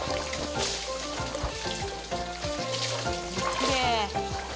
きれい。